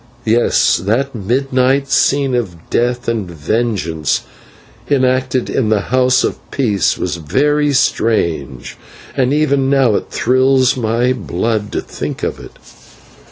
Yes, that midnight scene of death and vengeance enacted in the House of Peace was very strange, and even now it thrills my blood to think of it.